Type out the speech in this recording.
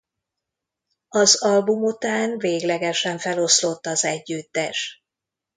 Az album után véglegesen feloszlott az együttes.